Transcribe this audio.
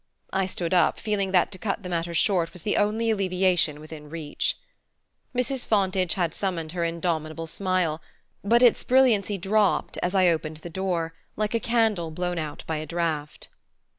I stood up, feeling that to cut the matter short was the only alleviation within reach. Mrs. Fontage had summoned her indomitable smile; but its brilliancy dropped, as I opened the door, like a candle blown out by a draught.